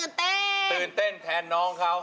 ฮาต่วเต้นเต้นตื่นเต้นแทนน้องเขา